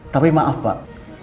tapi maaf pak